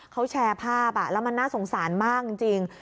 เขาแชร์ภาพแล้วมันน่าสงสารมากจริง